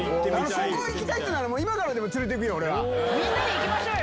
ここ行きたいっていったら、もう、今からでも連れてくよ、みんなで行きましょうよ。